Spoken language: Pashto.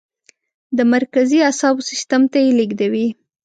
د مرکزي اعصابو سیستم ته یې لیږدوي.